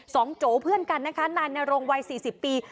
สองโจเพื่อนกันนะคะนายนารงวัย๔๐ปี